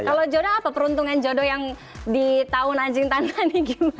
kalau jodoh apa peruntungan jodoh yang di tahun anjing tanda ini gimana